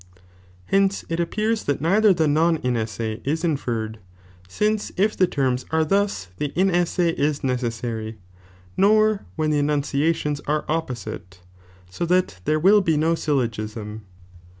Hence it appears that neither the non inesse is inferred, since if the terms are thus the inesse is necessary, nor when the enunci ations are opposite,^ so that there will be no syllogism.